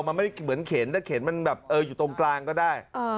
มันไม่ได้เหมือนเข็นแต่เข็นมันแบบอยู่ตรงกลางก็ได้